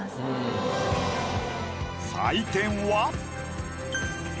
採点は。